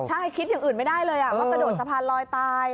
ใช่คิดอย่างอื่นไม่ได้เลยว่ากระโดดสะพานลอยตาย